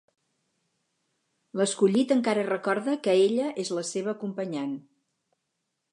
L'escollit encara recorda que ella és la seva acompanyant.